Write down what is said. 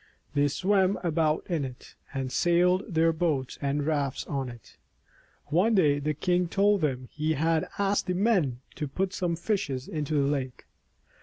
They swam about in it, and sailed their boats and rafts on it. One day the king told them he had asked the men to put some fishes into the lake.